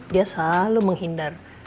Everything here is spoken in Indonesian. dia selalu menghindar